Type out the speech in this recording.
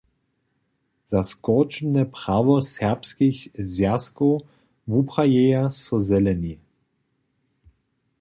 Za skóržbne prawo serbskich zwjazkow wuprajeja so Zeleni.